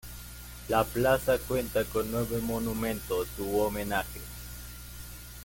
La plaza cuenta con nueve monumentos u homenajes.